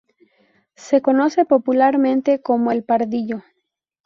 Se conoce popularmente como "El Pardillo".